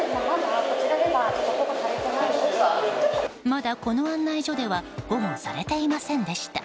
まだ、この案内所では保護されていませんでした。